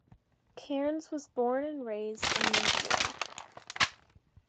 Cairns was born and raised in New Zealand.